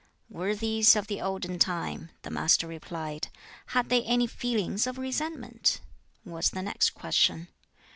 "Worthies of the olden time," the Master replied. "Had they any feelings of resentment?" was the next question.